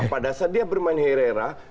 pada saat dia bermain herrera